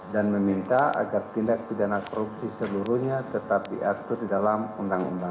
meminta agar tindak pidana korupsi seluruhnya tetap diatur di dalam undang undang